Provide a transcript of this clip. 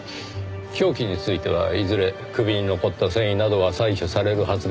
凶器についてはいずれ首に残った繊維などが採取されるはずです。